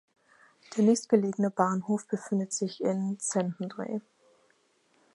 Der nächstgelegene Bahnhof befindet sich in Szentendre.